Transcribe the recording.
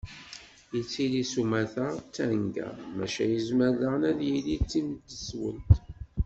Yettili s umata, d tanga, maca yezmer daɣen ad yili d timdeswelt.